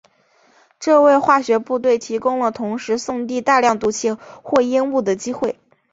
这为化学部队提供了同时送递大量毒气或烟雾的机会。